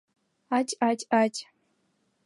— Ать-ать-ать!